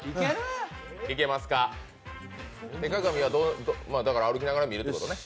手鏡は歩きながら見るってことね。